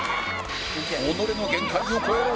己の限界を超えろ！